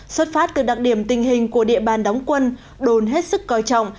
xuất phát từ đặc điểm tình hình của địa bàn đóng quân đồn hết sức coi trọng